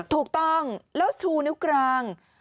ถูกต้องแล้วชูนิ้วกลาง